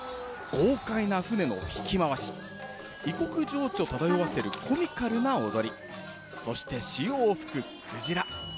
豪快な船のひき回し、異国情緒漂わせるコミカルな踊り、そして潮を吹くクジラ。